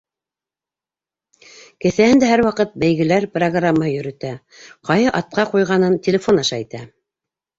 Кеҫәһендә һәр ваҡыт бәйгеләр программаһы йөрөтә, ҡайһы атҡа ҡуйғанын телефон аша әйтә.